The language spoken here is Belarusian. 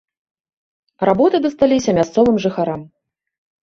Работы дасталіся мясцовым жыхарам.